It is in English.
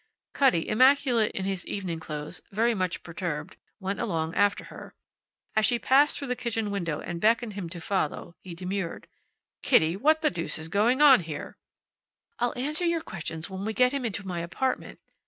Cutty, immaculate in his evening clothes, very much perturbed, went along after her. As she passed through the kitchen window and beckoned him to follow he demurred. "Kitty, what the deuce is going on here?" "I'll answer your questions when we get him into my apartment.